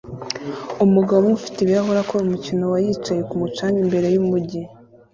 Umugabo umwe ufite ibirahure akora umukino wa yicaye kumu canga imbere yumujyi